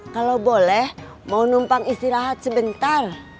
kalau boleh mau numpang istirahat sebentar